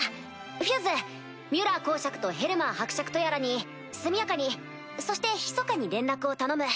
フューズミュラー侯爵とヘルマン伯爵とやらに速やかにそしてひそかに連絡を頼む。